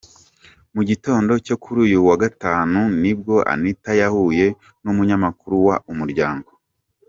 Mu gitondo cyo kuri uyu wa Gatanu nibwo Anita yahuye n’umunyamakuru wa Umuryango.